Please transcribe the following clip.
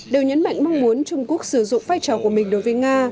đều nhấn mạnh mong muốn trung quốc sử dụng vai trò của mình đối với nga